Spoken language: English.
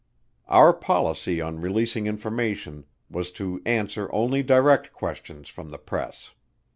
Our policy on releasing information was to answer only direct questions from the press.